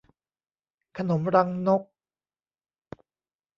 ขนมรังนก